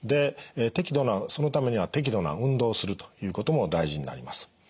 そのためには適度な運動をするということも大事になります。